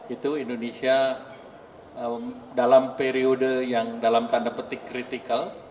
itu indonesia dalam periode yang dalam tanda petik kritikal